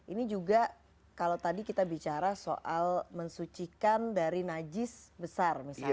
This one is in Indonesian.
ini juga kalau tadi kita bicara soal mensucikan dari najis besar misalnya